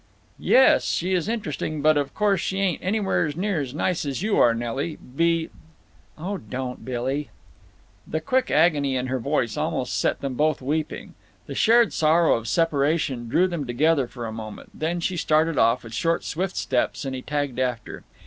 "Yes, she is interesting, but of course she ain't anywheres near as nice as you are, Nelly, be—" "Oh, don't, Billy!" The quick agony in her voice almost set them both weeping. The shared sorrow of separation drew them together for a moment. Then she started off, with short swift steps, and he tagged after.